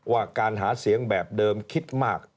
ว่าการหาเสียงแบบเดิมคิดมาก